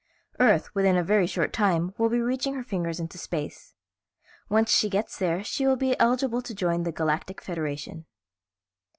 "Earth, within a very short time, will be reaching her fingers into space. Once she gets there she will be eligible to join the Galactic Federation."